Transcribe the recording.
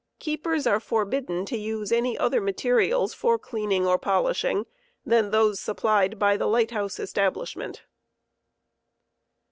Keepers are forbidden tt> use any other materials for cleaning or polishing ojeuj^andpoi. pjjppQg^ t jj aB ^ ose supplied by the Light House Establishment.